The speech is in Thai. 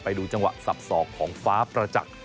ไปดูจังหวะสับสอกของฟ้าประจักษ์